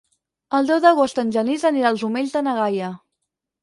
El deu d'agost en Genís anirà als Omells de na Gaia.